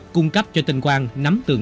cung cấp cho tên quang nắm tên quang